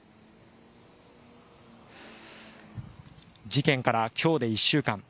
事件から今日で１週間。